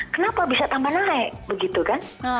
kenapa bisa tambah naik begitu kan